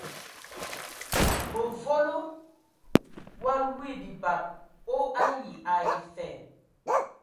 Mǝ volo wa lwi bibag o ayi ai fa.